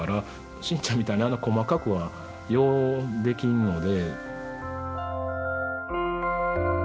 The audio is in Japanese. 真ちゃんみたいにあんな細かくはようできんので。